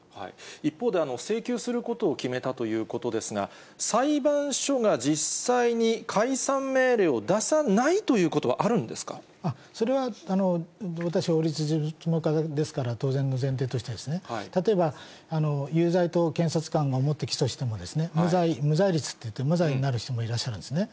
一方で、請求することを決めたということですが、裁判所が実際に解散命令を出さないというこそれは私、法律の専門家ですから、当然の前提として、例えば有罪と検察官が思って起訴しても、無罪率っていって、無罪になる人もいらっしゃるんですね。